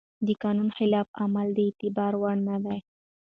د قانون خلاف عمل د اعتبار وړ نه دی.